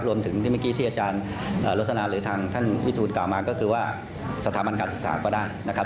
รวมถึงที่เมื่อกี้ที่อาจารย์ลสนาหรือทางท่านวิทูลกล่าวมาก็คือว่าสถาบันการศึกษาก็ได้นะครับ